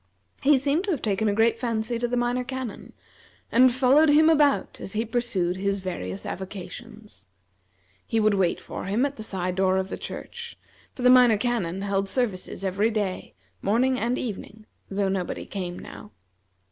He seemed to have taken a great fancy to the Minor Canon, and followed him about as he pursued his various avocations. He would wait for him at the side door of the church, for the Minor Canon held services every day, morning and evening, though nobody came now.